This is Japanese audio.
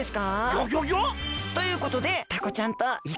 ギョギョギョ？ということでタコちゃんとイカちゃんです！